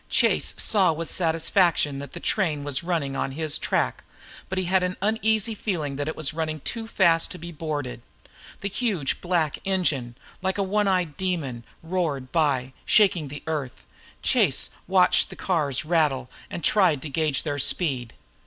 Chase saw with satisfaction that the train was on his track, but he had an uneasy feeling that it was running too fast to be boarded. The huge black engine, like a one eyed demon, roared by, shaking the earth. Chase watched the cars rattle by and tried to gauge their speed.